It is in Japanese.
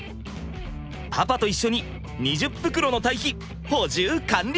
パパと一緒に２０袋の堆肥補充完了！